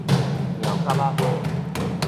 妙蛤仔花